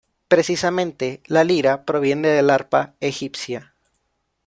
Precisamente la lira proviene del arpa egipcia.